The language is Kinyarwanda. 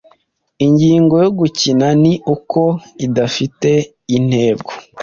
Ingingo yo gukina ni uko idafite intego.